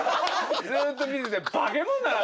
ずっと見てて化けもんだな！